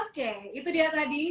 oke itu dia tadi